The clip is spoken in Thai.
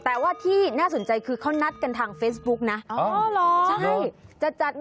แต่ว่าที่น่าสนใจคือเขานัดกันทางเฟซบุ๊กนะ